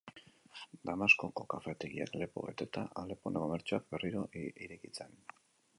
Damaskoko kafetegiak lepo beteta, Alepon komertzioak berriro irekitzen...